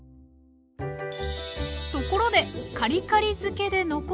ところでカリカリ漬けで残った種。